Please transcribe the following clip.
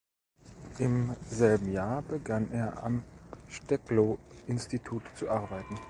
Im selben Jahr begann er am Steklow-Institut zu arbeiten.